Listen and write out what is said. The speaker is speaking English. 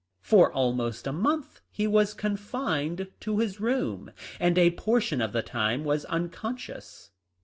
For almost a month he was confined to his room, and a portion of the time was uncon scious.